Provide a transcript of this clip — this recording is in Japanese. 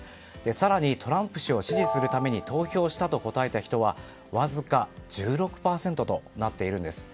更に、トランプ氏を支持するために投票したと答えた人はわずか１６％となっているんです。